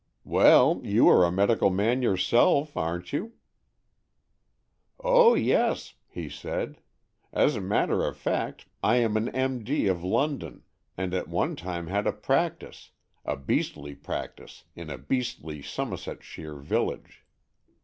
"Well, you are a medical man yourself, aren't you?" " Oh yes," he said. " As a matter of fact I am an M.D. of London, and at one time had a practice — a beastly practice in a beastly Somersetshire village.